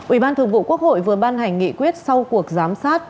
ủy ban thường vụ quốc hội vừa ban hành nghị quyết sau cuộc giám sát